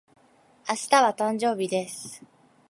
明日は、誕生日です。